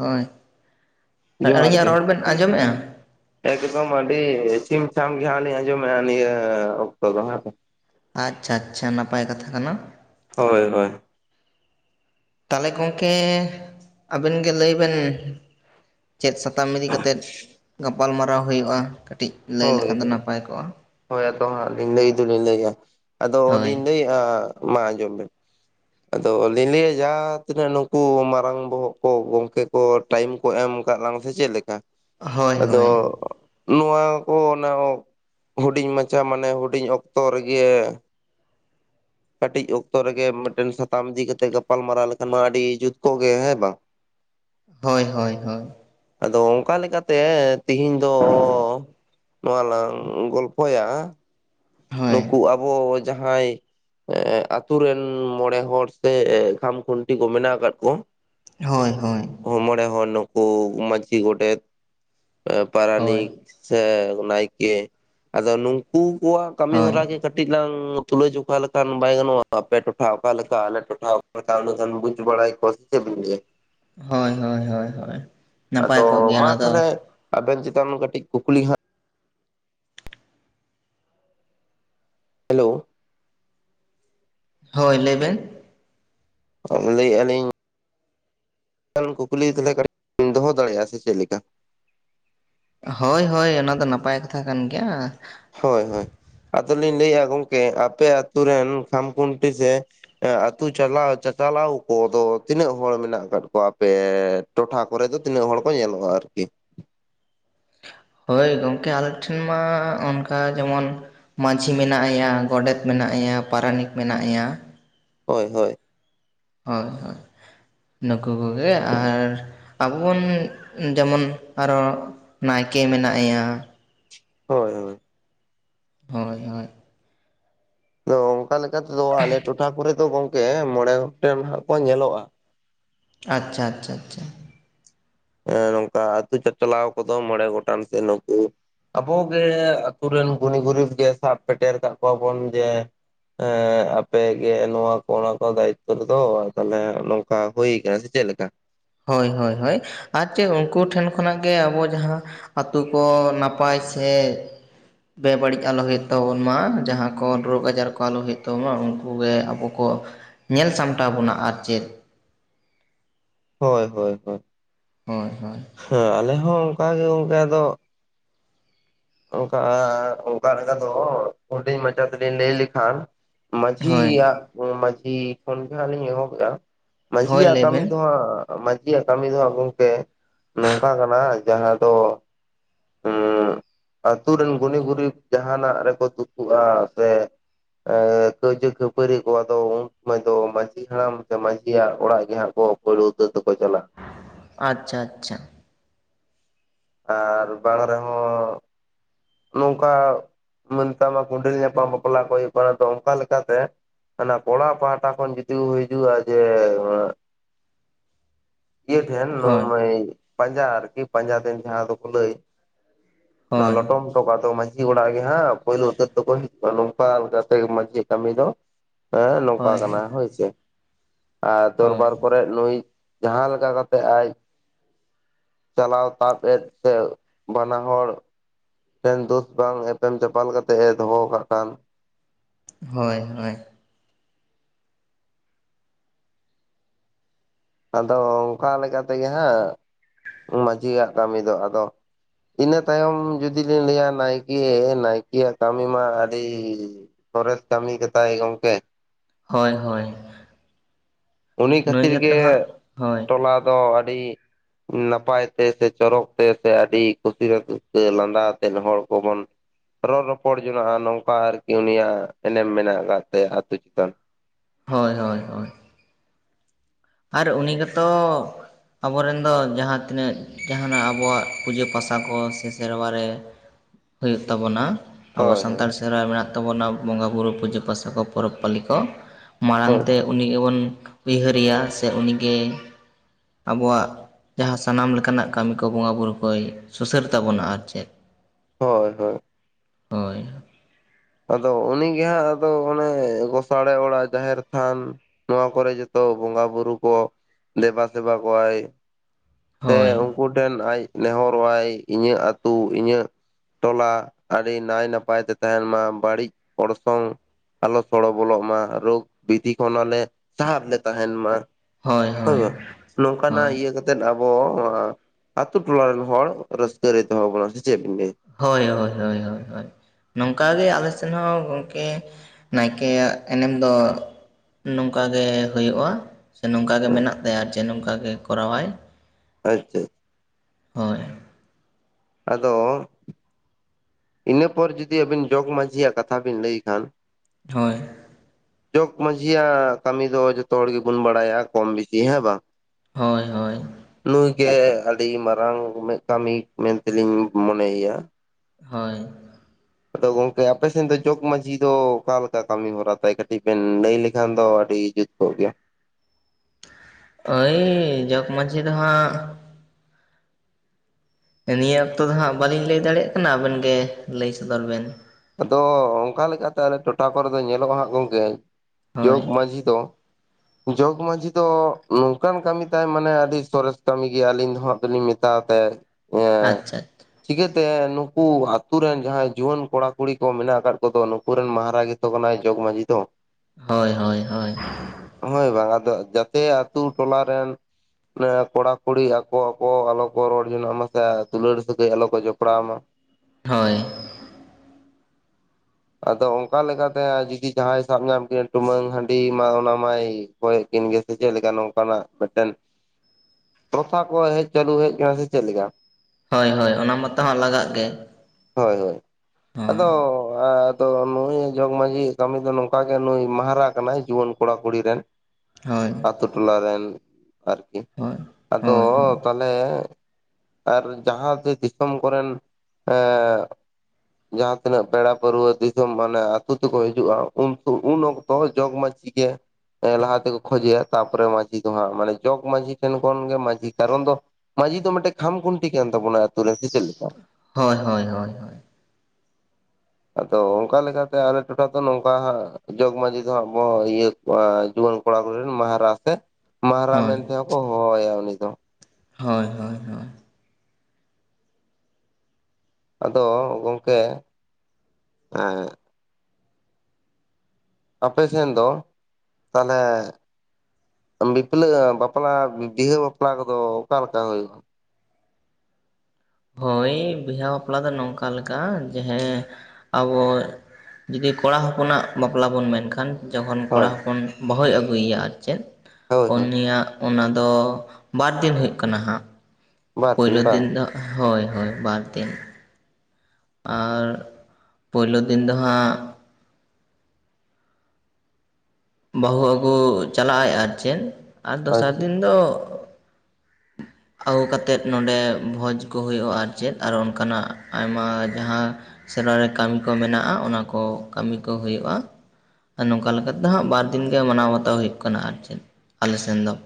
ᱦᱳᱭ ᱡᱚᱦᱟᱨ ᱟᱹᱞᱤᱧᱟᱜ ᱜᱮ ᱨᱚᱲ ᱵᱮᱱ ᱟᱸᱡᱚᱢᱮᱜᱼᱟ᱾ ᱮᱠᱫᱚᱢ ᱟᱹᱰᱤ ᱪᱷᱤᱢ ᱪᱷᱟᱢ ᱜᱮ ᱦᱟᱸᱜ ᱞᱤᱧ ᱟᱸᱡᱚᱢᱮᱜᱼᱟ ᱱᱤᱭᱟᱹ ᱚᱠᱛᱚ ᱫᱚ ᱦᱮᱸᱥᱮ᱾ ᱟᱪᱪᱷᱟ ᱟᱪᱪᱷᱟ ᱱᱟᱯᱟᱭ ᱠᱟᱛᱷᱟ ᱠᱟᱱᱟ᱾ ᱦᱳᱭ ᱦᱳᱭ᱾ ᱛᱟᱦᱚᱞᱮ ᱜᱚᱢᱠᱮ ᱟᱵᱮᱱ ᱜᱮ ᱞᱟᱹᱭ ᱵᱮᱱ ᱾ ᱪᱮᱫ ᱥᱟᱛᱟᱢ ᱤᱫᱤ ᱠᱟᱛᱮᱫ ᱜᱟᱯᱟᱞ ᱢᱟᱨᱟᱨᱟᱣ ᱦᱩᱭᱩᱜᱼᱟ, ᱠᱟᱹᱴᱤᱡ ᱞᱟᱹᱭ ᱦᱳᱭ ᱞᱮᱠᱷᱟᱱ ᱫᱚ ᱦᱳᱭ ᱱᱟᱯᱟᱭ ᱠᱚᱜᱼᱟ ᱦᱳᱭ ᱟᱫᱚ ᱦᱟᱸᱜ ᱞᱤᱧ ᱞᱟᱹᱭ ᱫᱚᱞᱤᱧ ᱞᱟᱹᱭᱟ ᱟᱫᱚ ᱦᱳᱭ ᱞᱤᱧ ᱞᱟᱹᱭᱟ, ᱢᱟ ᱟᱸᱡᱚᱢ ᱵᱤᱱ᱾ ᱟᱫᱚ ᱟᱞᱤᱧ ᱞᱟᱹᱭᱟ ᱡᱟᱸᱦᱟᱸ ᱛᱤᱱᱟᱹᱜ ᱱᱩᱠᱩ ᱢᱟᱨᱟᱝ ᱵᱚᱦᱚᱜ ᱠᱚ ᱜᱚᱝᱠᱮ ᱠᱚ ᱴᱟᱭᱤᱢ ᱠᱚ ᱮᱢ ᱟᱠᱟᱫ ᱞᱟᱝᱼᱟ ᱥᱮ ᱪᱮᱫ ᱞᱮᱠᱟ, ᱦᱳᱭ ᱟᱫᱚ ᱦᱳᱭ ᱱᱚᱣᱟ ᱠᱚ ᱚᱱᱟ ᱦᱩᱰᱤᱧ ᱢᱟᱪᱷᱟ ᱢᱟᱱᱮ ᱦᱩᱰᱤᱧ ᱚᱠᱛᱚ ᱨᱮᱜᱮ [inaudible] ᱠᱟᱹᱴᱤᱡ ᱚᱠᱛᱚ ᱨᱮᱜᱮ ᱢᱤᱫᱴᱮᱱ ᱥᱟᱛᱟᱢ ᱤᱫᱤ ᱠᱟᱛᱮᱜ ᱜᱟᱯᱟᱞ ᱢᱟᱨᱟᱨᱟᱣ ᱞᱮᱠᱷᱟᱱ ᱢᱟ ᱟᱹᱰᱤ ᱡᱩᱛ ᱠᱚᱜ ᱜᱮᱭᱟ ᱦᱮᱸ ᱵᱟᱝ᱾ ᱦᱳᱭ ᱦᱳᱭ ᱦᱳᱭ᱾ ᱟᱫᱚ ᱚᱱᱠᱟ ᱞᱮᱠᱟᱛᱮ ᱛᱮᱦᱮᱧ ᱫᱚ ᱚᱻ ᱱᱚᱣᱟ ᱞᱟᱝ ᱜᱚᱞᱯᱷᱚᱭᱟ ᱦᱳᱭ ᱱᱩᱠᱩ ᱟᱵᱚ ᱡᱟᱸᱦᱟᱸᱭ ᱮ ᱟᱛᱩᱨᱮᱱ ᱢᱚᱬᱮ ᱦᱚᱲ ᱥᱮ ᱠᱷᱟᱢ ᱠᱷᱩᱱᱴᱤ ᱠᱚ ᱢᱮᱱᱟᱜ ᱟᱠᱟᱫ ᱠᱚ ᱦᱳᱭ, ᱦᱳᱭ᱾ ᱦᱚ ᱢᱚᱬᱮ ᱦᱚᱲ ᱱᱩᱠᱩ ᱢᱟᱡᱷᱤ, ᱜᱚᱰᱮᱛ, ᱦᱳᱭ ᱯᱟᱨᱟᱱᱤᱠ, ᱥᱮ ᱱᱟᱭᱠᱮ ᱟᱫᱚ ᱱᱩᱝᱠᱩ ᱠᱚᱣᱟᱜ ᱠᱟᱹᱢᱤ ᱦᱚᱨᱟ ᱜᱮ ᱠᱟᱹ -ᱴᱤᱡ ᱞᱟᱝ ᱛᱩᱞᱟᱹ ᱡᱚᱠᱦᱟ ᱞᱮᱠᱷᱟᱱ ᱵᱟᱭ ᱜᱟᱱᱚᱜᱼᱟ ᱟᱯᱮ ᱴᱚᱴᱷᱟ ᱚᱠᱟ ᱞᱮᱠᱟ ᱟᱞᱮ ᱴᱚᱴᱷᱟ ᱚᱠᱟ ᱞᱮᱠᱟ ᱩᱱᱟᱹᱜ ᱜᱟᱱ ᱵᱩᱡᱽ ᱵᱟᱲᱟᱭ ᱠᱚ ᱡᱮ ᱪᱮᱫ ᱵᱤᱱ ᱞᱟᱹᱭᱟ? ᱦᱳᱭ, ᱦᱳᱭ, ᱦᱳᱭ, ᱦᱳᱭ, ᱱᱟᱯᱟᱭ ᱟᱫᱚ ᱠᱚᱜ ᱜᱮᱭᱟ ᱢᱟ ᱚᱱᱟ ᱫᱚ᱾ ᱛᱟᱦᱚᱞᱮ ᱟᱵᱮᱱ ᱪᱮᱛᱟᱱ ᱦᱚᱸ ᱠᱟᱹᱴᱤᱡ ᱠᱩᱠᱞᱤ ᱦᱟᱜ ᱦᱮᱞᱳ᱾ ᱦᱳᱭ ᱞᱟᱹᱭ ᱵᱮᱱ᱾ ᱚ ᱞᱟᱹᱭᱮᱜᱼᱟ ᱞᱤᱧ ᱟᱱᱠᱷᱟᱱ ᱠᱩᱠᱞᱤ ᱛᱟᱦᱚᱞᱮ ᱠᱟᱹᱴᱤᱡ ᱞᱤᱧ ᱫᱚᱦᱚ ᱫᱟᱲᱮᱭᱟᱜᱼᱟ ᱥᱮ ᱪᱮᱫ ᱞᱮᱠᱟ? ᱦᱳᱭ, ᱦᱳᱭ, ᱚᱱᱟ ᱫᱚ ᱱᱟᱯᱟᱭ ᱠᱟᱛᱷᱟ ᱠᱟᱱ ᱜᱮᱭᱟ᱾ ᱦᱳᱭ, ᱦᱳᱭ, ᱟᱫᱚᱞᱤᱧ ᱞᱟᱹᱭᱮᱜᱼᱟ ᱜᱚᱝᱠᱮ ᱟᱯᱮ ᱟᱛᱩ ᱨᱮᱱ ᱠᱷᱟᱢ ᱠᱷᱩᱱᱴᱤ ᱥᱮ ᱮᱸ ᱟᱹᱛᱩ ᱪᱟᱞᱟᱣ ᱪᱟᱪᱟᱞᱟᱣ ᱠᱚᱫᱚ ᱛᱤᱱᱟᱹᱜ ᱦᱚᱲ ᱢᱮᱱᱟᱜ ᱟᱠᱟᱫ ᱠᱚᱣᱟ? ᱟᱯᱮ ᱴᱚᱴᱷᱟ ᱠᱚᱨᱮ ᱫᱚ ᱛᱤᱱᱟᱹᱜ ᱦᱚᱲ ᱠᱚ ᱧᱮᱞᱚᱜᱼᱟ ᱟᱨᱠᱤ? ᱦᱳᱭ ᱜᱚᱝᱠᱮ ᱟᱞᱮ ᱴᱷᱮᱱ ᱢᱟ ᱚᱱᱠᱟ ᱡᱮᱢᱚᱱ ᱢᱟᱡᱷᱤ ᱢᱮᱱᱟᱜᱼᱮᱭᱟ, ᱜᱚᱰᱮᱛ ᱢᱮᱱᱟᱜᱼᱮᱭᱟ, ᱯᱟᱨᱟᱱᱤᱠ ᱢᱮᱱᱟᱜᱼᱮᱭᱟ, ᱦᱳᱭ, ᱦᱳᱭ᱾ ᱦᱳᱭ, ᱦᱳᱭ, ᱱᱩᱠᱩ ᱠᱚᱜᱮ ᱟᱨ ᱟᱵᱚ ᱵᱚᱱ ᱡᱮᱢᱚᱱ ᱟᱨᱚ ᱱᱟᱭᱠᱮ ᱢᱮᱱᱟᱜᱼᱮᱭᱟ᱾ ᱦᱳᱭ, ᱦᱳᱭ᱾ ᱦᱳᱭ, ᱦᱳᱭ ᱾ ᱟᱫᱚ ᱚᱱᱠᱟ ᱞᱮᱠᱟ ᱛᱮᱫᱚ ᱟᱞᱮ ᱴᱚᱴᱷᱟ ᱠᱚᱨᱮ ᱫᱚ ᱜᱚᱝᱠᱮ ᱢᱚᱬᱮᱸ ᱜᱚᱴᱮᱱ ᱦᱟᱸᱜ ᱠᱚ ᱧᱮᱞᱚᱜᱼᱟ ᱾ ᱟᱪᱪᱷᱟ, ᱟᱪᱪᱷᱟ, ᱟᱪᱪᱷᱟ ᱾ ᱮᱸ ᱱᱚᱝᱠᱟ ᱟᱹᱛᱩ ᱪᱟᱪᱟᱞᱟᱣ ᱠᱚᱫᱚ ᱢᱚᱬᱮᱸ ᱜᱚᱴᱟᱝᱱ ᱛᱮ ᱱᱩᱠᱩ ᱟᱵᱳ ᱜᱮ ᱟᱹᱛᱩ ᱨᱮᱱ ᱜᱩᱱᱤ ᱜᱩᱨᱤᱵᱽ ᱜᱮ ᱥᱟᱵ ᱯᱮᱴᱮᱨ ᱠᱟᱜ ᱠᱚᱣᱟᱵᱚᱱ ᱡᱮ ᱮᱸ ᱟᱯᱮ ᱜᱮ ᱱᱚᱣᱟ ᱠᱚ, ᱚᱱᱟ ᱠᱚ ᱫᱟᱭᱤᱛᱛᱚ ᱨᱮᱫᱚ‌ ᱛᱟᱞᱦᱮ ᱱᱚᱝᱠᱟ ᱦᱩᱭ ᱠᱟᱱᱟ ᱥᱮ ᱪᱮᱜ ᱞᱮᱠᱟ? ᱦᱳᱭ, ᱦᱳᱭ, ᱦᱳᱭ, ᱟᱨ ᱪᱮᱜ ᱩᱱᱠᱩ ᱴᱷᱮᱱ ᱠᱷᱚᱱᱟᱜ ᱜᱮ ᱟᱵᱳ ᱡᱟᱦᱟᱸ ᱟᱹᱛᱩ ᱠᱚ ᱱᱟᱯᱟᱭ ᱥᱮ ᱵᱮᱵᱟᱹᱲᱤᱡ ᱟᱞᱚ ᱦᱳᱭᱳᱜ ᱛᱟᱵᱚᱱ ᱢᱟ, ᱡᱟᱦᱟᱸ ᱠᱚ ᱨᱳᱜᱽ ᱟᱡᱟᱨ ᱠᱚ ᱟᱞᱚ ᱦᱳᱭᱳᱜ ᱛᱟᱵᱚᱱ ᱢᱟ, ᱩᱱᱠᱩ ᱜᱮ ᱟᱵᱳ ᱠᱚ ᱧᱮᱞ ᱥᱟᱢᱴᱟᱣ ᱵᱚᱱᱟ ᱟᱨ ᱪᱮᱫ ᱾ ᱦᱳᱭ, ᱦᱳᱭ, ᱦᱳᱭ ᱾ ᱦᱳᱭ, ᱦᱳᱭ ᱾ ᱦᱮᱸ, ᱟᱞᱮ ᱦᱚᱸ ᱚᱱᱠᱟ ᱜᱮ ᱜᱚᱝᱠᱮ ᱟᱫᱚ ᱚᱱᱠᱟ, ᱚᱱᱠᱟ ᱞᱮᱠᱟ ᱫᱚ, ᱦᱩᱰᱤᱧ ᱢᱟᱪᱟ ᱛᱮᱞᱤᱧ ᱞᱮᱭ ᱞᱮᱠᱷᱟᱱ ᱦᱳᱭ ᱢᱟᱹᱡᱷᱤᱭᱟᱜ, ᱢᱟᱹᱡᱷᱤ ᱠᱷᱚᱱ ᱜᱮ ᱦᱟᱸᱜ ᱞᱤᱧ ᱮᱦᱚᱵᱮᱜᱼᱟ ᱦᱳᱭ ᱢᱟᱹᱡᱷᱤᱭᱟᱜ ᱞᱟᱹᱭ ᱠᱟᱹᱢᱤ ᱵᱮᱱ ᱫᱚ ᱦᱟᱸᱜ ᱢᱟᱹᱡᱷᱤᱭᱟᱜ ᱠᱟᱹᱢᱤ ᱫᱚ ᱦᱟᱸᱜ ᱜᱚᱝᱠᱮ, ᱱᱚᱝᱠᱟ ᱠᱟᱱᱟ ᱡᱟᱦᱟᱸ ᱫᱚ [inaudible] ᱟᱹᱛᱩ ᱨᱮᱱ ᱜᱩᱱᱤ ᱜᱩᱨᱤᱵᱽ ᱡᱟᱦᱟᱸᱱᱟᱜ ᱨᱮᱠᱚ ᱫᱩᱠᱩᱜᱼᱟ ᱥᱮ ᱮᱸ ᱠᱟᱹᱣᱡᱟᱹ, ᱠᱷᱟᱹᱯᱟᱹᱨᱤ ᱠᱚ ᱟᱫᱚ ᱩᱱ ᱥᱚᱢᱚᱭ ᱫᱚ ᱢᱟᱹᱡᱷ ᱤ ᱦᱟᱲᱟᱢ ᱛᱮ ᱢᱟᱹᱡᱷᱤᱭᱟᱜ ᱚᱲᱟᱜ ᱜᱮ ᱦᱟᱸᱜ ᱠᱚ ᱯᱳᱭᱞᱳ ᱩᱛᱟᱹᱨ ᱛᱮᱠᱚ ᱪᱟᱞᱟᱜᱼᱟ ᱾ ᱟᱪᱪᱷᱟ, ᱟᱪᱪᱷᱟ ᱾ ᱟᱨ ᱵᱟᱝ ᱨᱮᱦᱚᱸ, ᱱᱚᱝᱠᱟ ᱢᱟᱹᱱᱠᱟ ᱢᱟ ᱠᱳᱸᱰᱮᱞ ᱧᱟᱯᱟᱢ ᱵᱟᱯᱞᱟ ᱠᱚ ᱦᱳᱭᱳᱜ ᱠᱟᱱᱟ ᱛᱚ ᱚᱱᱠᱟ ᱞᱮᱠᱟᱛᱮ ᱚᱱᱟ ᱠᱚᱲᱟ ᱯᱟᱦᱴᱟ ᱠᱷᱚᱱ ᱡᱩᱫᱤ ᱠᱚ ᱦᱤᱡᱩᱜᱼᱟ ᱡᱮ [inaudible] [unintelligible] ᱦᱳᱭ ᱢᱟᱹᱭ ᱯᱟᱸᱡᱟ ᱟᱨᱠᱤ ᱯᱟᱸᱡᱟ ᱛᱮᱱ ᱡᱟᱦᱟᱸ ᱫᱚᱠᱚ ᱞᱟᱹᱭ ᱚᱱᱟ ᱦᱳᱭ ᱞᱚᱴᱚᱢ [unintelligible] ᱟᱫᱚ ᱢᱟᱹᱡᱷᱤ ᱚᱲᱟᱜ ᱜᱮ ᱦᱟᱸᱜ ᱯᱳᱭᱞᱳ ᱩᱛᱟᱹᱨ ᱫᱚ ᱠᱚ ᱦᱤᱡᱩᱜᱼᱟ᱾ ᱱᱚᱝᱠᱟ ᱞᱮᱠᱟ ᱛᱮ ᱜᱮ ᱢᱟᱹᱡᱷᱤᱭᱟᱜ ᱠᱟᱹᱢᱤ ᱫᱚ ᱮᱸ ᱱᱚᱝᱠᱟ ᱦᱳᱭ ᱠᱟᱱᱟ ᱦᱳᱭ ᱥᱮ, ᱟᱨ ᱦᱳᱭ ᱫᱚᱨᱵᱟᱨ ᱠᱚᱨᱮᱫ ᱱᱩᱭ ᱡᱟᱦᱟᱸ ᱞᱮᱠᱟ ᱠᱟᱛᱮᱜ ᱟᱡ ᱪᱟᱞᱟᱣ ᱛᱟᱵ ᱮᱫ ᱥᱮ, ᱵᱟᱱᱟ ᱦᱚᱲ ᱮᱱ ᱫᱳᱥ ᱵᱟᱝ ᱮᱯᱮᱢ ᱪᱟᱯᱟᱞ ᱠᱟᱛᱮ ᱮ ᱫᱚᱦᱚ ᱠᱟᱜ ᱠᱷᱟᱱ ᱦᱳᱭ ᱦᱳᱭ᱾ ᱟᱫᱚ ᱚᱱᱠᱟ ᱞᱮᱠᱟ ᱛᱮᱜᱮ ᱦᱟᱸᱜ ᱢᱟᱹᱡᱷᱤᱭᱟᱜ ᱠᱟᱹᱢᱤ ᱫᱚ ᱟᱫᱚ ᱤᱱᱟᱹ ᱛᱟᱭᱚᱢ ᱡᱩᱫᱤ ᱞᱤᱧ ᱞᱮᱭᱟ ᱱᱟᱭᱠᱮ, ᱱᱟᱭᱠᱮᱭᱟᱜ ᱠᱟᱢᱤ ᱢᱟ ᱟᱹᱰᱤ ᱥᱚᱨᱮᱥ ᱠᱟᱹᱢᱤ ᱜᱮᱛᱟᱭ ᱜᱚᱝᱠᱮ᱾ ᱦᱳᱭ ᱦᱳᱭ᱾ ᱩᱱᱤ ᱱᱩᱭ ᱠᱷᱟᱹᱛᱤᱨ ᱜᱮᱛᱚ ᱜᱮ, ᱦᱟᱸᱜ ᱦᱳᱭ ᱴᱚᱞᱟ ᱫᱚ ᱟᱹᱰᱤ ᱱᱟᱯᱟᱭ ᱛᱮ, ᱥᱮ ᱪᱚᱨᱚᱠ ᱛᱮ, ᱥᱮ ᱟᱹᱰᱤ ᱠᱩᱥᱤ ᱨᱟᱹᱥᱠᱟᱹ ᱞᱟᱸᱫᱟ ᱟᱛᱮᱫ ᱦᱚᱲ ᱠᱚᱵᱚᱱ ᱨᱚᱲ ᱨᱚᱯᱚᱲ ᱡᱚᱱᱟᱜᱼᱟ ᱱᱚᱝᱠᱟ ᱟᱨᱠᱤ ᱩᱱᱤᱭᱟᱜ ᱮᱱᱮᱢ ᱢᱮᱱᱟᱜ ᱟᱠᱟᱜ ᱛᱟᱭᱟ ᱟᱛᱳ ᱪᱮᱛᱟᱱ᱾ ᱦᱳᱭ ᱦᱳᱭ ᱦᱳᱭ᱾ ᱟᱨ ᱩᱱᱤ ᱜᱮᱛᱚ ᱟᱵᱚᱨᱮᱱ ᱫᱚ ᱡᱟᱦᱟᱸ ᱛᱤᱱᱟᱹᱜ ᱡᱟᱦᱟᱸᱱᱟᱜ ᱟᱵᱚᱣᱟᱜ ᱯᱩᱡᱟᱹ ᱯᱟᱥᱟ ᱠᱚ ᱥᱮ ᱥᱮᱨᱣᱟ ᱨᱮ ᱦᱳᱭᱳᱜ ᱛᱟᱵᱚᱱᱟ ᱟᱵᱚ ᱦᱳᱭ ᱥᱟᱱᱛᱟᱲ ᱦᱳᱭ ᱥᱮᱨᱣᱟ ᱨᱮ ᱢᱮᱱᱟᱜ ᱛᱟᱵᱚᱱᱟ ᱵᱚᱸᱜᱟ ᱵᱩᱨᱩ ᱯᱩᱡᱟᱹ ᱯᱟᱥᱟ ᱠᱚ ᱯᱚᱨᱚᱵᱽ ᱯᱟᱹᱞᱤ ᱠᱚ ᱢᱟᱲᱟᱝ ᱦᱳᱭ ᱛᱮ ᱩᱱᱤ ᱜᱮᱵᱚᱱ ᱩᱭᱦᱟᱹᱨᱮᱭᱟ, ᱥᱮ ᱩᱱᱤ ᱜᱮ ᱟᱵᱚᱣᱟᱜ ᱡᱟᱦᱟᱸ ᱥᱟᱱᱟᱢ ᱞᱮᱠᱟᱱᱟᱜ ᱠᱟᱹᱢᱤ ᱠᱚ ᱵᱚᱸᱜᱟ ᱵᱩᱨᱩ ᱠᱚᱭ ᱥᱩᱥᱟᱹᱨ ᱛᱟᱵᱚᱱᱟ ᱟᱨ ᱪᱮᱫ᱾ ᱦᱳᱭ ᱦᱳᱭ᱾ ᱦᱳᱭ᱾ ᱟᱫᱚ ᱩᱱᱤᱜᱮ ᱦᱟᱸᱜ ᱟᱫᱚ ᱚᱱᱮ ᱜᱥᱟᱲᱮ ᱚᱲᱟᱜ ᱡᱟᱦᱮᱨ ᱛᱷᱟᱱ ᱱᱚᱣᱟ ᱠᱚᱨᱮ ᱡᱚᱛᱚ ᱵᱚᱸᱜᱟ ᱵᱩᱨᱩ ᱠᱚ ᱫᱮᱵᱟ ᱥᱮᱵᱟ ᱠᱚᱣᱟᱭ᱾ ᱥᱮ ᱦᱳᱭ ᱩᱱᱠᱩ ᱴᱷᱮᱱ ᱟᱡ ᱱᱮᱦᱚᱨᱚᱜ ᱟᱭ ᱤᱧᱟᱹᱜ ᱟᱹᱛᱩ ᱤᱧᱟᱹᱜ ᱴᱚᱞᱟ ᱟᱹᱰᱤ ᱱᱟᱭ ᱱᱟᱯᱟᱭ ᱛᱮ ᱛᱟᱦᱮᱱ ᱢᱟ ᱵᱟᱹᱲᱤᱡ ᱚᱲᱥᱚᱝ ᱟᱞᱚ ᱥᱚᱲᱚ ᱵᱚᱞᱚᱜ ᱢᱟ, ᱨᱳᱜᱽ ᱵᱤᱫᱷᱤ ᱠᱷᱚᱱᱞᱮ ᱥᱟᱦᱟᱵ ᱞᱮ ᱛᱟᱦᱮᱱ ᱢᱟ᱾ ᱦᱳᱭ ᱦᱚ ᱦᱳᱭ ᱱᱚᱝᱠᱟᱱᱟᱜ ᱦᱳᱭ ᱤᱭᱟᱹ ᱠᱟᱛᱮᱜ ᱛᱮᱫ ᱟᱵᱚ ᱱᱚᱣᱟ ᱟᱛᱩ ᱴᱚᱞᱟᱨᱮᱱ ᱦᱚᱲ ᱨᱟᱹᱥᱠᱟᱹ ᱨᱮ ᱫᱚᱦᱚ ᱵᱚᱱᱟ ᱥᱮ ᱪᱮᱫ ᱵᱤᱱ ᱞᱟᱹᱭᱟ? ᱦᱳᱭ ᱦᱳᱭ ᱦᱳᱭ ᱦᱳᱭ᱾ ᱱᱚᱝᱠᱟ ᱜᱮ ᱟᱞᱮ ᱥᱮᱱ ᱦᱚᱸ ᱜᱚᱝᱠᱮ ᱱᱟᱭᱠᱮᱭᱟᱜ ᱮᱱᱮᱢ ᱫᱚ᱾ ᱱᱚᱝᱠᱟ ᱜᱮ ᱦᱩᱭᱩᱜ-ᱟ, ᱥᱮ ᱱᱚᱝᱠᱟ ᱜᱮ ᱢᱮᱱᱟᱜ ᱛᱟᱭᱟ ᱟᱨ ᱡᱮ ᱱᱚᱝᱠᱟᱜ ᱜᱮ ᱠᱚᱨᱟᱣᱟᱭ᱾ ᱟᱪᱪᱷᱟ᱾ ᱦᱳᱭ᱾ ᱟᱫᱚ ᱤᱱᱟᱹ ᱯᱚᱨ ᱡᱩᱫᱤ ᱟᱵᱤᱱ ᱡᱚᱜᱽ ᱢᱟᱺᱡᱷᱤᱭᱟᱜ ᱠᱟᱛᱷᱟ ᱵᱤᱱ ᱞᱟᱹᱭ ᱠᱷᱟᱱ ᱦᱳᱭ᱾ ᱡᱚᱜ ᱢᱟᱸᱡᱷᱤᱭᱟᱜ ᱠᱟᱹᱢᱤ ᱫᱚ ᱡᱚᱛᱚ ᱦᱚᱲ ᱜᱮᱵᱚᱱ ᱵᱟᱲᱟᱭᱟ ᱠᱚᱢ ᱵᱮᱥᱤ ᱦᱮᱸ ᱵᱟᱝ᱾ ᱦᱳᱭ ᱦᱳᱭ᱾ ᱱᱩᱭ ᱜᱮ ᱟᱹᱰᱤ ᱢᱟᱨᱟᱝ ᱠᱟᱹᱢᱤ ᱢᱮᱱᱛᱮᱞᱤᱧ ᱢᱚᱱᱮᱭᱮᱭᱟ᱾ ᱦᱳᱭ᱾ ᱟᱫᱚ ᱜᱚᱢᱠᱮ ᱟᱯᱮᱥᱮᱱ ᱫᱚ ᱡᱚᱜᱽ ᱢᱟᱺᱡᱷᱤ ᱫᱚ ᱚᱠᱟᱮᱠᱟ ᱠᱟᱢᱤ ᱦᱚᱨᱟ ᱛᱟᱭ ᱠᱟᱴᱤᱡ ᱵᱮᱱ ᱞᱟᱹᱭ ᱞᱮᱠᱷᱟᱱ ᱫᱚ ᱟᱹᱰᱤ ᱡᱩᱛ ᱠᱟᱜ ᱜᱮᱭᱟ ᱾ ᱳᱭ ᱡᱚᱜᱽ ᱢᱟᱺᱡᱷᱤ ᱫᱚ ᱦᱟᱸᱜ ᱱᱤᱭᱟᱹ ᱚᱠᱛᱚ ᱫᱚ ᱦᱟᱸᱜ ᱵᱟᱞᱤᱧ ᱞᱟᱹᱭ ᱫᱟᱲᱮᱭᱟᱜ ᱠᱟᱱᱟ ᱟᱵᱮᱱ ᱜᱮ ᱞᱟᱹᱭ ᱥᱚᱫᱚᱨ ᱵᱮᱱ᱾ ᱟᱫᱚ ᱚᱱᱠᱟ ᱞᱮᱠᱟᱛᱮ ᱟᱞᱮ ᱴᱚᱴᱷᱟ ᱠᱚᱨᱮ ᱫᱚ ᱧᱮᱞᱚᱜ-ᱟ ᱱᱟᱸᱜ ᱜᱚᱢᱠᱮ ᱡᱚᱜᱽ ᱦᱳᱭ ᱢᱟᱺᱡᱷᱤ ᱫᱚ [inaudible] ᱡᱚᱜᱽ ᱢᱟᱺᱡᱷᱤ ᱫᱚ ᱱᱚᱝᱠᱟᱱ ᱠᱟᱢᱤ ᱛᱟᱭ ᱢᱟᱱᱮ ᱟᱹᱰᱤ ᱥᱚᱨᱮᱥ ᱠᱟᱢᱤ ᱜᱮ ᱟᱞᱤᱧ ᱫᱚ ᱦᱟᱸᱜ ᱫᱚᱞᱤᱧ ᱢᱮᱛᱟᱣᱟᱛᱟᱭᱟ᱾ ᱮᱸᱜ ᱟᱪᱪᱷᱟ ᱟᱪᱪᱷᱟ ᱪᱤᱠᱟᱹᱛᱮ ᱱᱩᱠᱩ ᱟᱛᱩ ᱨᱮᱱ ᱡᱟᱦᱟᱸᱭ ᱡᱩᱣᱟᱹᱱ ᱠᱚᱲᱟ ᱠᱩᱲᱤ ᱠᱚ ᱢᱮᱱᱟᱜ ᱟᱠᱟᱫ ᱠᱚᱫᱚ ᱱᱩᱠᱩ ᱨᱮᱱ ᱢᱟᱦᱟᱨᱟ ᱜᱮᱛᱚ ᱠᱟᱱᱟᱭ ᱡᱚᱜᱽ ᱢᱺᱡᱷᱤ ᱫᱚ᱾ ᱦᱳᱭ, ᱦᱳᱭ, ᱦᱳᱭ᱾ ᱦᱳᱭ ᱵᱟᱝ ᱟᱫᱚ ᱡᱟᱛᱮ ᱟᱛᱩ ᱴᱚᱞᱟ ᱨᱮᱱ ᱚᱱᱮ ᱠᱚᱲᱟ ᱠᱩᱲᱤ ᱟᱠᱚ ᱟᱠᱚ ᱟᱞᱚ ᱠᱚ ᱨᱚᱲ ᱡᱚᱱᱚᱜ ᱢᱟ ᱥᱮ ᱫᱩᱞᱟᱹᱲ ᱥᱟᱹᱜᱟᱹᱭ ᱟᱞᱚ ᱠᱚ ᱡᱚᱯᱲᱟᱣ ᱢᱟ᱾ ᱦᱳᱭ᱾ ᱟᱫᱚ ᱚᱱᱠᱟ ᱞᱮᱠᱟᱛᱮ ᱡᱩᱫᱤ ᱡᱟᱦᱟᱸᱭ ᱥᱟᱵ ᱧᱟᱢ ᱠᱮᱜ ᱴᱩᱢᱟᱹᱝ ᱦᱟᱺᱰᱤ ᱢᱟ ᱚᱱᱟᱢᱟᱭ ᱠᱚᱭᱮᱠ ᱠᱤᱱ ᱜᱮ ᱥᱮ ᱪᱮᱫ ᱞᱮᱠᱟ ᱱᱚᱝᱠᱟᱱᱟᱜ ᱢᱮᱜᱴᱮᱱ [inaudible] ᱴᱨᱚᱯᱷᱟ ᱠᱚ ᱦᱮᱡ ᱪᱟᱹᱞᱩ ᱦᱮᱡ ᱟᱠᱟᱱᱟ ᱥᱮ ᱪᱮᱫ ᱞᱮᱠᱟ? ᱦᱳᱭ ᱦᱳᱭ ᱚᱱᱟ ᱢᱟᱛᱚ ᱦᱟᱸᱜ ᱞᱟᱜᱟᱜ ᱜᱮ᱾ ᱦᱳᱭ ᱦᱳᱭ ᱦᱳᱭ ᱟᱫᱚ ᱟᱨ ᱛᱚ ᱱᱩᱭ ᱡᱚᱜᱽ ᱢᱟᱺᱡᱷᱤᱭᱤᱡ ᱠᱟᱢᱤ ᱫᱚ ᱱᱚᱝᱠᱟ ᱜᱮ ᱱᱩᱭ ᱢᱟᱦᱟᱨᱟ ᱠᱟᱱᱟᱭ ᱡᱩᱣᱟᱹᱱ ᱠᱚᱲᱟ ᱠᱩᱲᱤ ᱨᱮᱱ ᱾ ᱦᱳᱭ᱾ ᱛᱚᱯᱟᱱᱟᱨᱮᱱ ᱟᱨᱠᱤ ᱦᱳᱭ ᱟᱫᱚ ᱦᱳᱭ ᱦᱳᱭ ᱛᱟᱦᱚ ᱞᱮ ᱟᱨ ᱡᱟᱦᱟᱸ ᱜᱮ ᱫᱤᱥᱚᱢ ᱠᱚᱨᱮᱱ ᱮᱸᱜ ᱡᱟᱦᱟᱸ ᱛᱤᱱᱟᱹᱜ ᱯᱮᱲᱟ ᱯᱟᱹᱨᱣᱟᱹ ᱫᱤᱥᱚᱢ ᱢᱟᱱᱮ ᱟᱛᱳ ᱛᱮᱠᱚ ᱦᱤᱡᱩᱜ-ᱟ, ᱩᱱᱠᱩ ᱩᱱ ᱚᱠᱛᱚ ᱡᱚᱜᱽ ᱢᱟᱺᱡᱷᱤ ᱜᱮ᱾ ᱮ ᱞᱟᱦᱟ ᱛᱮᱠᱚ ᱠᱷᱚᱡᱮᱭᱟ ᱛᱟᱨᱯᱚᱨᱮ ᱢᱟᱺᱡᱷᱤ ᱫᱚ ᱦᱟᱸᱜ ᱢᱟᱱᱮ ᱡᱚᱜᱽ ᱢᱟᱺᱡᱷᱤ ᱴᱷᱮᱱ ᱠᱷᱚᱱᱜᱮ ᱢᱟᱺᱡᱷᱤ ᱠᱟᱨᱚᱱ ᱫᱚ ᱢᱟᱺᱡᱷᱤ ᱫᱚ ᱢᱮᱫᱴᱮᱡ ᱠᱷᱟᱢ ᱠᱷᱩᱱᱴᱤ ᱠᱟᱱ ᱛᱟᱵᱚᱱᱟᱭ ᱟᱛᱳ ᱨᱮᱱ ᱥᱮ ᱪᱮᱫ ᱞᱮᱠᱟ? ᱦᱳᱭ ᱦᱳᱭ ᱦᱳᱭ᱾ ᱟᱫᱚ ᱚᱱᱠᱟ ᱞᱮᱠᱟᱛᱮ ᱟᱞᱮ ᱴᱚᱴᱷᱟ ᱫᱚ ᱱᱚᱝᱠᱟ ᱦᱟᱸᱜ ᱡᱚᱜᱽ ᱢᱟᱺᱡᱷᱤ ᱫᱚ ᱦᱟᱸᱜ ᱟᱵᱚ ᱤᱭᱟᱹ ᱠᱚᱣᱟ ᱡᱩᱣᱟᱹᱱ ᱠᱚᱲᱟ ᱠᱩᱲᱤ ᱨᱮᱱ ᱢᱟᱦᱟᱨᱟ ᱦᱮᱸᱥᱮ ᱢᱟᱦᱟᱨᱟ ᱢᱮᱱ ᱦᱳᱭ ᱛᱮᱦᱚᱸ ᱠᱚ ᱦᱚᱦᱚᱣᱟᱭᱟ ᱩᱱᱤ ᱫᱚ ᱾ ᱦᱳᱭ ᱦᱳᱭ ᱦᱳᱭ᱾ ᱟᱫᱚ ᱜᱚᱢᱠᱮ ᱮᱸᱜ ᱟᱯᱮᱥᱮᱱ ᱫᱚ ᱛᱟᱦᱟᱞᱮ ᱵᱤᱯᱞᱟᱹᱜ ᱵᱟᱯᱞᱟ ᱵᱤᱦᱟᱹ ᱵᱟᱯᱞᱟ ᱠᱚᱫᱚ ᱚᱠᱟ ᱞᱮᱠᱟ ᱦᱩᱭᱩᱜᱼᱟ? ᱦᱳᱭ ᱵᱤᱦᱟ ᱵᱟᱯᱞᱟ ᱫᱚ ᱱᱚᱝᱠᱟ ᱞᱮᱠᱟ ᱡᱮ ᱦᱮᱸ ᱟᱵᱚ ᱡᱩᱫᱤ ᱠᱚᱲᱟ ᱦᱚᱯᱚᱱᱟᱜ ᱵᱟᱯᱞᱟ ᱵᱚᱱ ᱢᱮᱱᱠᱷᱟᱱ ᱡᱚᱠᱷᱚᱱ ᱠᱚᱲᱟ ᱦᱳᱭ ᱦᱚᱯᱚᱱ ᱵᱟᱹᱦᱩᱭ ᱟᱹᱜᱩᱭᱮᱭᱟ ᱟᱨ ᱪᱮᱫ ᱦᱳᱭ ᱦᱳᱭ ᱩᱱᱤᱭᱟᱜ ᱚᱱᱟ ᱫᱚ ᱵᱟᱨ ᱫᱤᱱ ᱦᱩᱭᱩᱜ ᱠᱟᱱᱟ ᱦᱟᱸᱜ ᱾ ᱵᱟᱨ ᱯᱳᱭᱞᱳ ᱵᱟᱝ ᱫᱤᱱ ᱫᱚ, ᱦᱳᱭ ᱦᱳᱭ ᱵᱟᱨ ᱫᱤᱱ ᱾ ᱟᱨ ᱯᱳᱭᱞᱳ ᱫᱤᱱ ᱫᱚ ᱦᱟᱸᱜ ᱵᱟᱦᱩ ᱟᱜᱩ ᱪᱟᱞᱟᱜ-ᱟᱭ ᱟᱨ ᱪᱮᱫ, ᱟᱨ ᱫᱚᱥᱟᱨ ᱟᱪᱪᱷᱟ ᱫᱤᱱ ᱫᱚ ᱟᱜᱩ ᱠᱟᱛᱮᱫ ᱱᱚᱸᱰᱮ ᱵᱷᱚᱡᱽ ᱠᱚ ᱦᱩᱭᱩᱜᱼᱟ ᱟᱨ ᱪᱮᱫ ᱟᱨ ᱚᱱᱠᱟᱱᱟᱜ ᱟᱭᱢᱟ ᱡᱟᱦᱟᱸ ᱥᱮᱨᱣᱟ ᱨᱮ ᱠᱟᱢᱤ ᱠᱚ ᱢᱮᱱᱟᱜᱼᱟ ᱚᱱᱟ ᱠᱚ ᱠᱟᱢᱤ ᱠᱚ ᱦᱩᱭᱩᱜᱼᱟ ᱾ ᱱᱚᱝᱠᱟ ᱞᱮᱠᱟᱛᱮ ᱦᱟᱸᱜ ᱵᱟᱨ ᱫᱤᱱ ᱜᱮ ᱢᱟᱱᱟᱣ ᱵᱟᱛᱟᱣ ᱦᱩᱭᱩᱜ ᱠᱟᱱᱟ ᱟᱨ ᱪᱮᱫ ᱟᱞᱮ ᱥᱮᱱ ᱫᱚ ᱾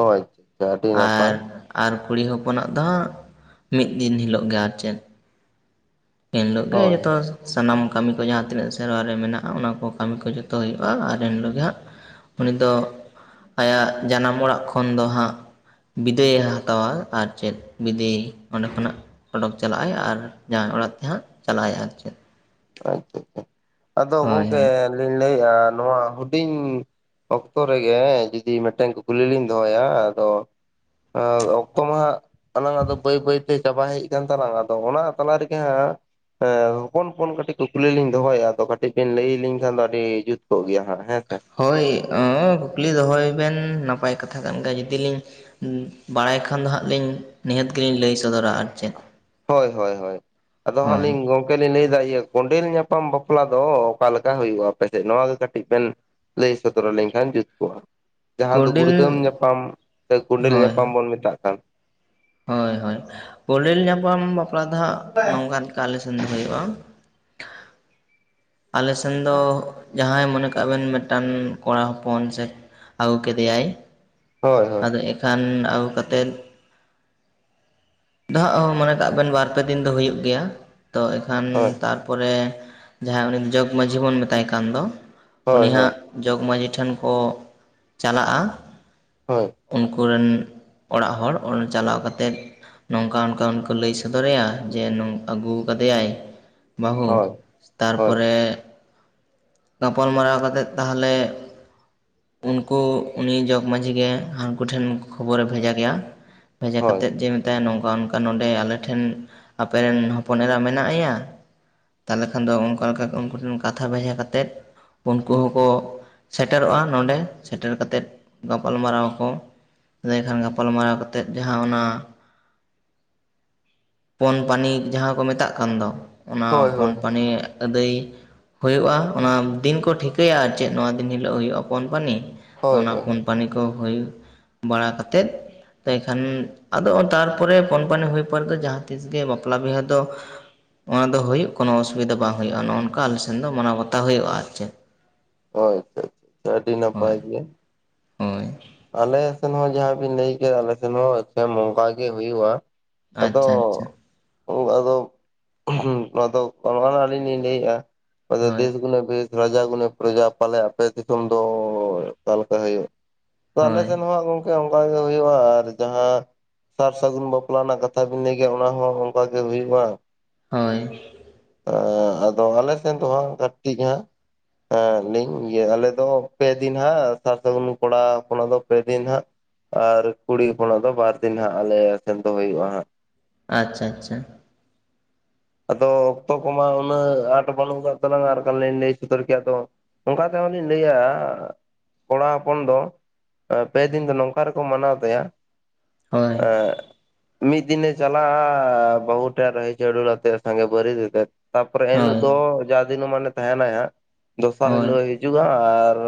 ᱦᱳᱭ ᱜᱚᱢᱠᱮ ᱟᱹᱰᱤ ᱱᱟᱯᱟᱭ ᱾ ᱟᱨ ᱟᱨ ᱠᱩᱲᱤ ᱦᱚᱯᱚᱱᱟᱜ ᱫᱚ ᱦᱟᱸᱜ ᱢᱤᱫ ᱫᱤᱱ ᱦᱤᱞᱳᱜ ᱜᱮ ᱟᱨ ᱪᱮᱫ ᱾ ᱮᱱ ᱦᱤᱞᱳᱜ ᱜᱮ ᱦᱳᱭ ᱡᱚᱛᱚ ᱥᱟᱱᱟᱢᱼᱼ ᱠᱟᱹᱢᱤ ᱠᱚ ᱡᱟᱦᱟᱸ ᱛᱤᱱᱟᱹᱜ ᱥᱮᱨᱣᱟ ᱨᱮ ᱢᱮᱱᱟᱜ-ᱟ ᱚᱱᱟ ᱠᱚ ᱠᱟᱹᱢᱤ ᱠᱚ ᱡᱚᱛᱚ ᱦᱩᱭᱩᱜ-ᱟ ᱟᱨ ᱮᱱ ᱦᱤᱞᱳᱜ ᱜᱮ ᱦᱟᱸᱜ ᱩᱱᱤ ᱫᱚ ᱟᱭᱟᱜ ᱡᱟᱱᱟᱢ ᱚᱲᱟᱜ ᱠᱷᱚᱱ ᱫᱚ ᱦᱟᱸᱜ ᱵᱤᱫᱟᱹᱭᱮ ᱦᱟᱛᱟᱣᱟ ᱟᱨ ᱪᱮᱫ ᱵᱤᱫᱟᱹᱭ ᱚᱸᱰᱮ ᱠᱷᱚᱱᱟᱜ ᱚᱰᱚᱠ ᱪᱟᱞᱟᱜ-ᱟᱭ ᱟᱨ ᱡᱟᱶᱟᱭ ᱚᱲᱟᱜ ᱛᱮ ᱦᱟᱸᱜ ᱪᱟᱞᱟᱜ ᱟᱭ ᱟᱨ ᱪᱮᱫ ᱾ ᱟᱪᱪᱷᱟ ᱟᱪᱪᱷᱟ ᱾ ᱟᱫᱚ ᱦᱳᱭ ᱜᱚᱝᱠᱮ ᱞᱤᱧ ᱞᱟᱹᱭᱮᱜ-ᱟ ᱱᱚᱣᱟ ᱦᱩᱰᱤᱧᱼᱼ ᱚᱠᱛᱚ ᱨᱮᱜᱮ ᱡᱩᱫᱤ ᱢᱤᱫᱴᱮᱱ ᱠᱩᱠᱞᱤ ᱞᱤᱧ ᱫᱚᱦᱚᱭᱟ ᱟᱫᱚᱼᱼ ᱚᱠᱛᱚ ᱢᱟᱼᱼ ᱟᱞᱟᱝ ᱫᱚ ᱵᱟᱹᱭ ᱵᱟᱹᱭᱛᱮ ᱪᱟᱵᱟ ᱦᱮᱡ ᱠᱟᱱ ᱛᱟᱞᱟᱝ-ᱟ᱾ ᱟᱫᱚ ᱚᱱᱟ ᱛᱟᱞᱟ ᱨᱮᱜᱮ ᱦᱟᱸᱜᱼᱼ ᱮᱸ ᱦᱚᱯᱚᱱ ᱦᱚᱯᱚᱱ ᱠᱟᱹᱼᱼ ᱼᱼᱴᱤᱡ ᱠᱩᱠᱞᱤ ᱞᱤᱧ ᱫᱚᱦᱚᱭᱮᱫᱭᱟ ᱾ ᱟᱫᱚ ᱠᱟᱹᱴᱤᱡ ᱵᱮᱱ ᱞᱟᱹᱭᱟᱹᱞᱤᱧ ᱠᱷᱟᱡ ᱫᱚ ᱟᱹᱰᱤ ᱡᱩᱛ ᱠᱚᱜ ᱜᱮᱭᱟ ᱦᱟᱸᱜ ᱦᱮᱸ ᱥᱮ᱾ ᱦᱳᱭ ᱟᱹ ᱠᱩᱠᱞᱤ ᱫᱚᱦᱚᱭ ᱵᱮᱱ ᱱᱟᱯᱟᱭ ᱠᱟᱛᱷᱟ ᱠᱟᱱ ᱜᱮᱭᱟ ᱾ ᱡᱩᱫᱤᱞᱤᱧᱼᱼ ᱵᱟᱲᱟᱭ ᱠᱷᱟᱱ ᱫᱚ ᱦᱟᱸᱜ ᱞᱤᱧ ᱱᱤᱦᱟᱹᱛ ᱜᱮᱞᱤᱧ ᱞᱟᱹᱭ ᱥᱚᱫᱚᱨᱟ ᱟᱨᱼᱼ ᱦᱳᱭ ᱦᱳᱭ ᱦᱳᱭ ᱟᱫᱚ ᱦᱟᱸᱜ ᱦᱳᱭ ᱞᱤᱧ ᱜᱚᱝᱼᱼ ᱼᱼᱠᱮᱞᱤᱧ ᱞᱟᱹᱭᱫᱟ ᱤᱭᱟᱹ, ᱠᱚᱸᱰᱮᱞ ᱧᱟᱯᱟᱢ ᱵᱟᱯᱞᱟ ᱫᱚ ᱚᱠᱟ ᱞᱮᱠᱟ ᱦᱩᱭᱩᱜᱼᱟ ᱟᱯᱮᱥᱮᱫ? ᱱᱚᱣᱟ ᱜᱮ ᱠᱟᱹᱴᱤᱡ ᱵᱮᱱ ᱾ ᱞᱟᱹᱭ ᱥᱚᱫᱚᱨ ᱟᱞᱤᱧ ᱠᱷᱟᱱ ᱡᱩᱛ ᱠᱚᱜ-ᱟ ᱾ ᱡᱟᱦᱟᱸ ᱫᱚ ᱠᱚᱰᱮᱞ ᱜᱩᱲᱫᱟᱹᱢ ᱧᱟᱯᱟᱢ ᱥᱮ ᱠᱚᱸᱰᱮᱞ ᱦᱳᱭ ᱧᱟᱯᱟᱢ ᱵᱚᱱ ᱢᱮᱛᱟᱜ ᱠᱟᱱ ᱦᱳᱭ ᱦᱳᱭ ᱠᱚᱸᱰᱮᱞ ᱧᱟᱯᱟᱢ ᱵᱟᱯᱞᱟ ᱫᱚ ᱦᱟᱸᱜ ᱱᱚᱝᱠᱟ ᱞᱮᱠᱟ ᱟᱞᱮ ᱥᱮᱱ ᱫᱚ ᱦᱩᱭᱩᱜ-ᱟ᱾ ᱟᱞᱮ ᱥᱮᱱ ᱫᱚ ᱡᱟᱦᱟᱸᱭ ᱢᱚᱱᱮ ᱠᱟᱜ ᱵᱮᱱ ᱢᱤᱫᱴᱟᱝ ᱠᱚᱲᱟ ᱦᱚᱯᱚᱱ ᱥᱮ ᱟᱹᱜᱩ ᱠᱮᱫᱮᱭᱟᱭᱼᱼ ᱦᱳᱭ ᱦᱳᱭ ᱟᱫᱚ ᱮᱱᱠᱷᱟᱱ ᱟᱹᱜᱩ ᱠᱟᱛᱮᱫᱼᱼ ᱫᱚ ᱦᱟᱸᱜ ᱢᱚᱱᱮ ᱠᱟᱜ ᱵᱮᱱ ᱵᱟᱨ ᱯᱮ ᱫᱤᱱ ᱫᱚ ᱦᱩᱭᱩᱜ ᱜᱮᱭᱟ ᱛᱚ ᱮᱱᱠᱷᱟᱱ ᱛᱟᱨᱯᱚᱨᱮᱼᱼ ᱡᱟᱦᱟᱸᱭ ᱩᱱᱤ ᱡᱚᱜᱽ ᱢᱟᱺᱡᱷᱤ ᱵᱚᱱ ᱠᱟᱱ ᱫᱚ, ᱩᱱᱤ ᱦᱳᱭ ᱦᱟᱸᱜ ᱦᱳᱭ ᱡᱚᱜᱽ ᱢᱟᱺᱡᱷᱤ ᱴᱷᱮᱱ ᱠᱚ ᱪᱟᱞᱟᱜ-ᱟ, ᱦᱳᱭ ᱩᱱᱠᱚ ᱨᱮᱱ ᱚᱲᱟᱜ ᱦᱚᱲ ᱪᱟᱞᱟᱣ ᱠᱟᱛᱮᱫᱼᱼ ᱱᱚᱝᱠᱟ ᱚᱱᱠᱟ ᱩᱱᱠᱩ ᱞᱟᱹᱭ ᱥᱚᱫᱚᱨ ᱟᱭᱟ ᱡᱮ ᱱᱚᱝᱠᱟ ᱟᱹᱜᱩ ᱠᱟᱫᱮᱭᱟᱭᱼᱼ ᱵᱟᱹᱦᱩ ᱦᱳᱭ ᱦᱳᱭ ᱛᱟᱨᱯᱚᱨᱮ ᱜᱟᱯᱟᱞᱢᱟᱨᱟᱣ ᱠᱟᱛᱮᱜ ᱛᱟᱦᱚᱞᱮᱼᱼ ᱩᱱᱠᱩ ᱩᱱᱤ ᱡᱚᱜᱽ ᱢᱟᱺᱡᱷᱤ ᱜᱮ ᱦᱟᱱᱠᱩ ᱴᱷᱮᱱ ᱠᱷᱚᱵᱚᱨᱮ ᱵᱷᱮᱡᱟ ᱠᱮᱭᱟ᱾ ᱵᱷᱮᱡᱟ ᱦᱳᱭ ᱠᱟᱛᱮᱫ ᱡᱮ ᱢᱮᱛᱟᱭᱟ ᱱᱚᱝᱠᱟ ᱚᱱᱠᱟ ᱱᱚᱸᱰᱮ ᱟᱞᱮ ᱴᱷᱮᱱ ᱟᱯᱮᱨᱮᱱ ᱦᱚᱯᱚᱱ ᱮᱨᱟ ᱢᱮᱱᱟᱭᱟ ᱾ ᱛᱟᱦᱚᱞᱮ ᱠᱷᱟᱱ ᱫᱚ ᱚᱱᱠᱟ ᱞᱮᱠᱟ ᱩᱱᱠᱩ ᱴᱷᱮᱱ ᱠᱟᱛᱷᱟ ᱵᱷᱮᱡᱟ ᱠᱟᱛᱮᱫ ᱩᱱᱠᱩ ᱦᱚᱸᱠᱚ ᱥᱮᱴᱮᱨᱚᱜ-ᱟ ᱱᱚᱸᱰᱮ ᱥᱮᱴᱮᱨ ᱠᱟ ᱠᱟᱛᱮᱫ ᱜᱟᱯᱟᱞᱢᱟᱨᱟᱣ ᱟᱠᱚ᱾ ᱤᱱᱟᱹ ᱠᱷᱟᱱ ᱜᱟᱯᱟᱞᱢᱟᱨᱟᱣ ᱠᱟᱛᱮᱫ ᱡᱟᱦᱟᱸ ᱚᱱᱟ ᱯᱚᱱᱯᱟᱱᱤ ᱡᱟᱦᱟᱸ ᱠᱚ ᱢᱮᱛᱟᱜ ᱠᱟᱱ ᱫᱚ ᱚᱱᱟ ᱦᱳᱭ ᱦᱳᱭ ᱦᱳᱭ ᱯᱚᱱᱯᱟᱱᱤᱼᱼ ᱟᱹᱫᱟᱹᱭ ᱦᱩᱭᱩᱜ-ᱟ ᱾ ᱚᱱᱟ ᱫᱤᱱ ᱠᱚ ᱴᱷᱤᱠᱟᱹᱭᱟ ᱟᱨ ᱪᱮᱫ ᱱᱚᱣᱟ ᱫᱤᱱ ᱦᱤᱞᱳᱜ ᱦᱩᱭᱩᱜ-ᱟ ᱯᱚᱱᱯᱟᱱᱤ ᱛᱚ ᱦᱳᱭ ᱚᱱᱟ ᱦᱳᱭ ᱯᱩᱱᱯᱟᱱᱤ ᱠᱚ ᱦᱩᱭᱩᱜᱼᱼ ᱵᱟᱲᱟ ᱠᱟᱛᱮᱫ, ᱮᱱᱠᱷᱟᱱ ᱟᱫᱚ ᱛᱟᱨᱯᱚᱨᱮ ᱯᱩᱱᱯᱟᱱᱤ ᱦᱩᱭ ᱯᱚᱨᱮ ᱫᱚ ᱡᱟᱦᱟᱸᱼᱼ ᱛᱤᱥ ᱜᱮ ᱵᱟᱯᱞᱟ ᱵᱤᱦᱟᱹ ᱫᱚᱼᱼ ᱚᱱᱟ ᱫᱚ ᱦᱩᱭᱩᱜ ᱠᱳᱱᱳ ᱚᱥᱩᱵᱤᱫᱟ ᱵᱟᱝ ᱦᱩᱭᱩᱜ-ᱟ, ᱱᱚᱜ-ᱚ ᱱᱚᱝᱠᱟ ᱟᱞᱮᱥᱮᱱ ᱫᱚ ᱢᱟᱱᱟᱣ ᱵᱟᱛᱟᱣ ᱦᱩᱭᱩᱜ-ᱟ ᱟᱨ ᱪᱮᱫ ᱾ ᱦᱳᱭ ᱟᱫᱚ ᱟᱹᱰᱤ ᱦᱳᱭ ᱱᱟᱯᱟᱭ ᱜᱮ᱾ ᱦᱳᱭ ᱟᱞᱮ ᱥᱮᱱ ᱦᱚᱸ ᱡᱟᱦᱟᱸ ᱵᱮᱱ ᱞᱟᱹᱭ ᱠᱮᱜ-ᱟ ᱟᱞᱮ ᱥᱮᱱ ᱦᱚᱸ [unintelligible] ᱚᱝᱠᱟ ᱜᱮ ᱦᱩᱭᱩᱜ-ᱟ᱾ ᱟᱫᱚ ᱟᱪᱪᱷᱟ ᱟᱪᱪᱷᱟ ᱟᱫᱚ [unintelligible] ᱫᱚ ᱟᱹᱞᱤᱧ ᱞᱤᱧ ᱞᱟᱹᱭᱮᱜ-ᱟ, ᱟᱫᱚ ᱦᱳᱭ ᱫᱮᱥ ᱜᱩᱱᱟᱹ ᱵᱮᱥ ᱨᱟᱡᱟ ᱜᱩᱱᱟᱹ ᱯᱨᱚᱡᱟ ᱯᱟᱞᱮ ᱟᱯᱮ ᱫᱤᱥᱚᱢ ᱫᱚ ᱚᱠᱟ ᱞᱮᱠᱟ ᱦᱩᱭᱩᱜ? ᱟᱞᱮ ᱦᱳᱭ ᱥᱮᱱ ᱦᱚᱸ ᱜᱚᱝᱠᱮ ᱚᱝᱠᱟ ᱜᱮ ᱦᱩᱭᱩᱜᱼᱟ ᱟᱨ ᱡᱟᱦᱟᱸ ᱥᱟᱨ ᱥᱟᱹᱜᱩᱱ ᱵᱟᱯᱞᱟ ᱨᱮᱱᱟᱜ ᱠᱟᱛᱷᱟ ᱵᱤᱱ ᱞᱟᱹᱭ ᱠᱮᱜ-ᱟ ᱚᱱᱟ ᱦᱚᱸ ᱚᱝᱠᱟᱜ ᱜᱮ ᱦᱩᱭᱩᱜᱼᱟ ᱾ ᱦᱳᱭ᱾ ᱟᱹ ᱟᱫᱚ ᱟᱞᱮ ᱥᱮᱱ ᱫᱚ ᱦᱟᱸᱜ ᱠᱷᱟᱹᱴᱤ ᱦᱟᱸᱜ ᱮᱸ ᱞᱟᱹᱭᱤᱧ ᱤᱭᱟᱹ ᱟᱞᱮ ᱫᱚ ᱯᱮᱫᱤᱱ ᱦᱟᱸᱜ ᱥᱟᱨ ᱥᱟᱹᱜᱩᱱ ᱠᱚᱲᱟ ᱦᱚᱯᱚᱱᱟᱜ ᱫᱚ ᱯᱮ ᱫᱤᱱ ᱦᱟᱸᱜ ᱟᱨ ᱠᱩᱲᱤ ᱦᱚᱯᱚᱱᱟᱜ ᱫᱚ ᱵᱟᱨ ᱫᱤᱱ ᱦᱟᱸᱜ ᱟᱞᱮ ᱥᱮᱱ ᱫᱚ ᱦᱩᱭᱩᱜᱼᱟ ᱦᱟᱸᱜ ᱾ ᱟᱪᱪᱷᱟ ᱟᱪᱪᱷᱟ ᱾ ᱟᱫᱚ ᱚᱠᱛᱚ ᱠᱚᱢᱟ ᱩᱱᱟᱹᱜ ᱟᱴ ᱵᱟᱹᱱᱩᱜ ᱠᱟᱜ ᱛᱟᱞᱟᱝᱟ ᱟᱨ ᱠᱷᱟᱱ ᱞᱤᱧ ᱞᱟᱹᱭ ᱥᱚᱫᱚᱨ ᱠᱮᱭᱟ ᱟᱫᱚ ᱚᱝᱠᱟ ᱛᱮᱦᱚᱸ ᱞᱤᱧ ᱞᱟᱹᱭᱟ ᱠᱚᱲᱟ ᱦᱚᱯᱚᱱ ᱫᱚ ᱟ ᱯᱮ ᱫᱤᱱ ᱫᱚ ᱱᱚᱝᱠᱟ ᱨᱮᱠᱚ ᱢᱟᱱᱟᱣ ᱛᱟᱦᱮᱸ-ᱟ ᱦᱳᱭ᱾ ᱢᱤᱫ ᱫᱤᱱᱮ ᱪᱟᱞᱟᱜᱼᱟ ᱵᱟᱹᱦᱩ ᱴᱷᱮᱜ ᱨᱟᱦᱤ ᱪᱟᱹᱣᱵᱟᱹᱞ ᱞᱟᱛᱮ ᱥᱟᱸᱜᱮ ᱵᱟᱹᱨᱭᱟᱹᱛ ᱟᱛᱮᱜ ᱾ ᱛᱟᱯᱚᱨᱮ ᱮᱱᱦᱤᱞᱳᱜ ᱦᱳᱭ ᱫᱚ ᱡᱟ ᱫᱤᱱᱳ ᱢᱟᱱᱮ ᱛᱟᱦᱮᱸᱱᱟᱭ ᱦᱟᱸᱜ, ᱫᱚᱥᱟᱨ ᱦᱳᱭ ᱦᱤᱞᱳᱜ ᱮ ᱦᱤᱡᱩᱜᱼᱟ ᱟᱨ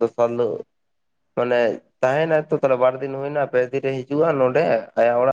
ᱫᱚᱥᱟᱨ ᱦᱤᱞᱳᱜ ᱢᱟᱱᱮ ᱛᱟᱦᱮᱱᱟᱭ ᱛᱚ ᱛᱟᱦᱞᱮ ᱵᱟᱨ ᱫᱤᱱ ᱦᱩᱭᱱᱟ, ᱯᱮ ᱫᱤᱱ ᱨᱮ ᱦᱤᱡᱩᱜᱼᱟ, ᱱᱚᱸᱰᱮ ᱟᱭᱟᱜ ᱚᱲᱟᱜ᱾